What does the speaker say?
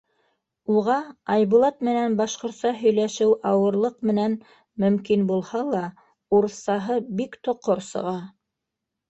Уға Айбулат менән башҡортса һөйләшеү ауырлыҡ менән мөмкин булһа ла, урыҫсаһы бик тоҡор сыға.